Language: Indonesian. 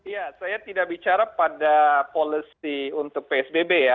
ya saya tidak bicara pada policy untuk psbb ya